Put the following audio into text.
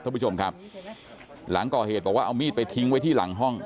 ท่านผู้ชมครับหลังก่อเหตุบอกว่าเอามีดไปทิ้งไว้ที่หลังห้อง